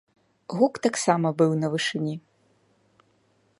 Гук таксама быў на вышыні.